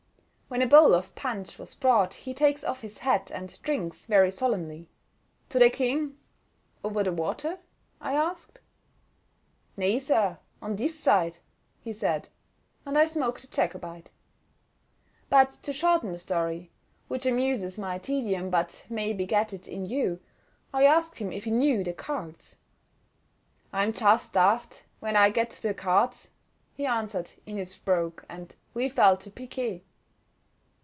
When a bowl of punch was brought he takes off his hat, and drinks, very solemnly, "To the King!" "Over the water?" I asked. "Nay, sir, on this side," he said; and I smoked the Jacobite. But to shorten the story, which amuses my tedium but may beget it in you, I asked him if he knew the cards. "I'm just daft when I get to the cartes," he answered in his brogue, and we fell to piquet.